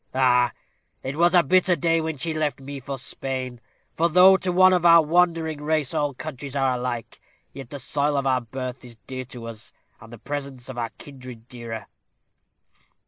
Ah! it was a bitter day when she left me for Spain; for though, to one of our wandering race, all countries are alike, yet the soil of our birth is dear to us, and the presence of our kindred dearer.